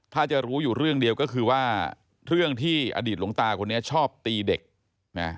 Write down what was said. ถ้าจะรู้อยู่เรื่องเดียวก็คือว่าเรื่องที่อดีตหลวงตาคนนี้ชอบตีเด็กนะ